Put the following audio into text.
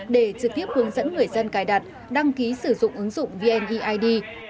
để trực tiếp hướng dẫn người dân cài đặt đăng ký sử dụng ứng dụng vneid